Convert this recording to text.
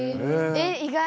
えっ意外！